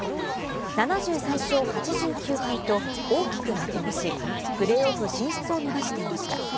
７３勝８９敗と大きく負け越し、プレーオフ進出を逃していました。